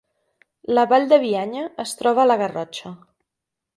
La Vall de Bianya es troba a la Garrotxa